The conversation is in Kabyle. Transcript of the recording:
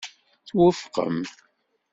Twufqem.